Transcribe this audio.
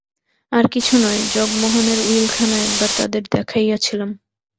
আর কিছু নয়, জগমোহনের উইলখানা একবার তাদের দেখাইয়াছিলাম।